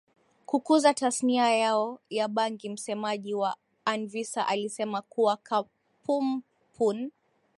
kukuza tasnia yao ya bangiMsemaji wa Anvisa alisema kuwa kampun